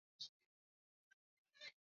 na sura ya nne aya ya kumi na tisa